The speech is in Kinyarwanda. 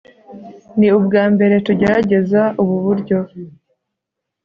ni ubwambere tugerageza ubu buryo